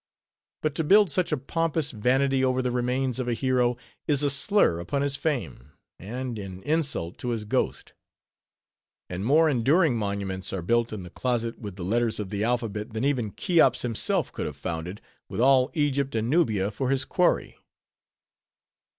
But to build such a pompous vanity over the remains of a hero, is a slur upon his fame, and an insult to his ghost. And more enduring monuments are built in the closet with the letters of the alphabet, than even Cheops himself could have founded, with all Egypt and Nubia for his quarry.